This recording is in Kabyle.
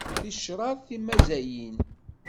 Ticraḍ timazzayin.